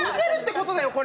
これ！